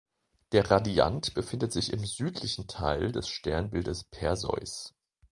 Der Radiant befindet sich im südlichen Teil des Sternbildes Perseus.